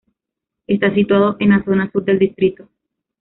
Está situado en la zona sur del distrito.